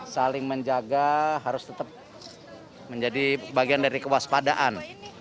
saling menjaga harus tetap menjadi bagian dari kewaspadaan